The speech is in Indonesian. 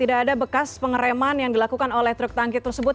ada bekas pengereman yang dilakukan oleh truk tanggi tersebut